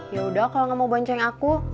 yaudah kalau gak mau bonceng aku